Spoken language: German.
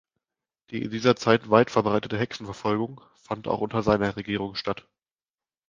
Die in dieser Zeit weit verbreitete Hexenverfolgung fand auch unter seiner Regierung statt.